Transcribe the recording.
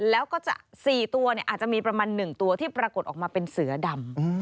แล้วก็จะ๔ตัวอาจจะมีประมาณ๑ตัวที่ปรากฏออกมาเป็นเสือดำ